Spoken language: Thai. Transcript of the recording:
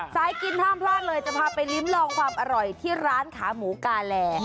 สายกินห้ามพลาดเลยจะพาไปลิ้มลองความอร่อยที่ร้านขาหมูกาแล